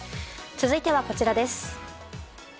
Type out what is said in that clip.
続いてはこちらです。